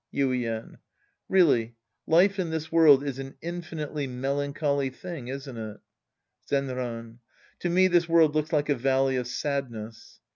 Yuien. Really life in this world is an infinitely melancholy thing, isn't it ? Zenran. To me this world looks like a valley of sadness.